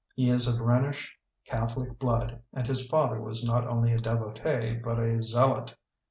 He is of Rhenish Catholic blood and his father was not only a devotee but a zealot.